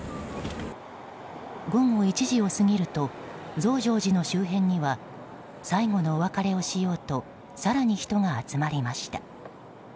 午後１時を過ぎると増上寺の周辺には最後のお別れをしようと更に人が集まりました。